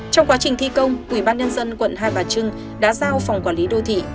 trong quá trình thi công ủy ban nhân dân quận hai bà trưng đã giao phòng quản lý đô thị